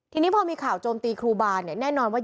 ทีนี้พอมีข่าวโจมตีครูบาเนี่ยแน่นอนว่า